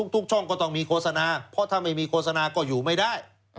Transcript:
ทุกช่องก็ต้องมีโฆษณาเพราะถ้าไม่มีโฆษณาก็อยู่ไม่ได้